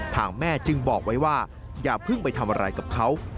ทางแม่จึงบอกไว้ว่าอย่าเพิ่งไปทำอะไรกับเขา